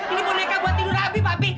ini boneka buat tidur abi papi